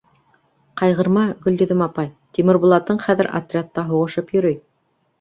Ҡайғырма, Гөлйөҙөм апай, Тимербулатың хәҙер отрядта һуғышып йөрөй.